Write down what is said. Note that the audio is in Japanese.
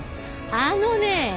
あのね